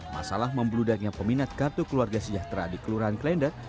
masalah membeludaknya peminat kartu keluarga sejahtera di kelurahan klender